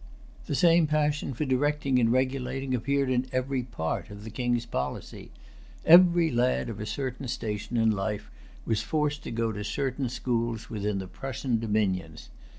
The same passion for directing and regulating appeared in every part of the King's policy. Every lad of a certain station in life was forced to go to certain schools within the Prussian dominions.